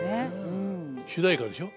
主題歌でしょ？